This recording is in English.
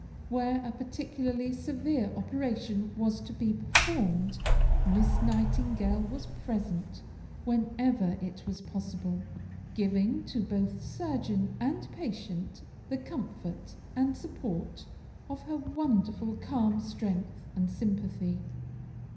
Where a particularly severe operation was to be performed, Miss Nightingale was present whenever it was possible, giving to both surgeon and patient the comfort and support of her wonderful calm strength and sympathy.